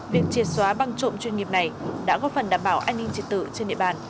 việc triệt xóa băng trộm chuyên nghiệp này đã góp phần đảm bảo an ninh trật tự trên địa bàn